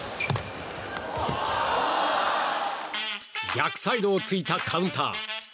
逆サイドを突いたカウンター！